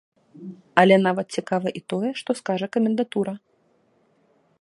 Але нават цікава і тое, што скажа камендатура?